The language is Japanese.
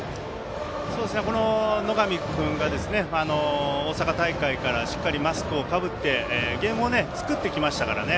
野上君が大阪大会からしっかりマスクをかぶってゲームを作ってきましたからね。